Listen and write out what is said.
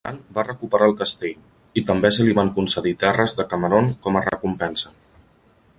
Grant va recuperar el castell, i també se li van concedir terres de Cameron com a recompensa.